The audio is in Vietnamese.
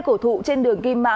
cổ thụ trên đường kim mã